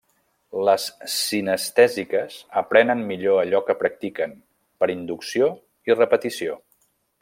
Les cinestèsiques aprenen millor allò que practiquen, per inducció i repetició.